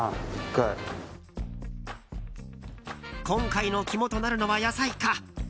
今回の肝となるのは野菜か。